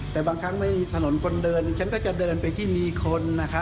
แต่บางครั้งไม่มีถนนคนเดินฉันก็จะเดินไปที่มีคนนะคะ